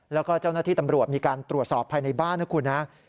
แล้วก็เจ้าหน้าที่ตำรวจมีการตรวจสอบภายในบ้านนะคุณนะ